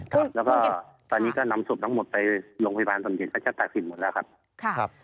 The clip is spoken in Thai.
แล้วก็ตอนนี้ก็น้ำสุบทั้งหมดไปโรงพยาบาลส่วนเกียรติศัตริย์ตักศิลป์หมดแล้วครับ